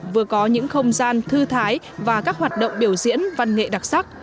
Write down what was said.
vừa có những không gian thư thái và các hoạt động biểu diễn văn nghệ đặc sắc